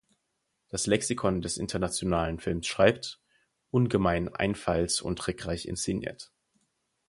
Das Lexikon des internationalen Films schreibt: „Ungemein einfalls- und trickreich inszeniert.